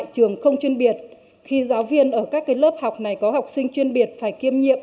các lớp học này có học sinh chuyên biệt phải kiêm nhiệm